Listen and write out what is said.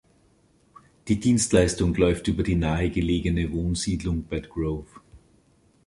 Die Dienstleistung läuft über die nahe gelegene Wohnsiedlung Bedgrove.